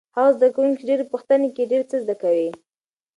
هغه زده کوونکی چې ډېرې پوښتنې کوي ډېر څه زده کوي.